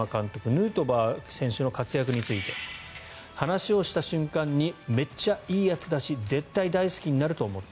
ヌートバー選手の活躍について話をした瞬間にめっちゃいいやつだし絶対大好きになると思った。